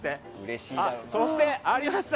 そして、ありました。